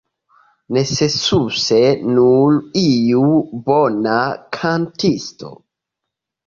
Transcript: Necesus nur iu bona kantisto.